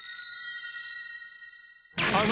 あの。